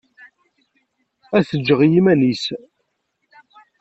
Ad t-ǧǧeɣ i yiman-is.